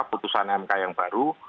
putusan mk yang baru